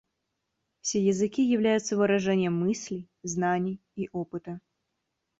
Все языки являются выражением мыслей, знаний и опыта.